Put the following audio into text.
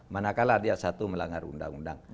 mana kalah dia satu melanggar undang undang